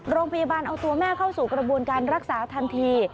โรงพยาบาลเอาตัวแม่เข้าสู่กระบวนการรักษาทันที